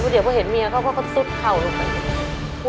หน่อยพอเห็นเมียเขาก็ตุ๊ดเข่าลงไป